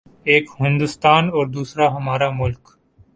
:ایک ہندوستان اوردوسرا ہمارا ملک۔